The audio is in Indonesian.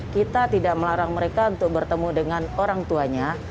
kita tidak melarang mereka untuk bertemu dengan orang tuanya